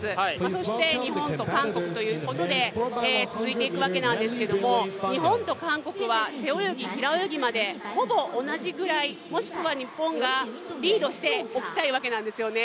そして日本と韓国ということで続いていくわけなんですけど日本と韓国は背泳ぎ、平泳ぎまで、ほぼ同じぐらい、もしくは日本がリードしておきたいわけなんですよね。